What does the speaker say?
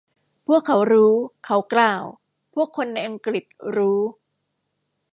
พวกเขารู้ เขากล่าว พวกคนในอังกฤษรู้